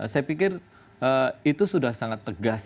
saya pikir itu sudah sangat tegas